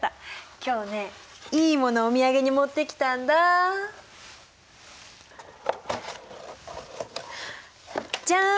今日ねいいものをお土産に持ってきたんだ！じゃん！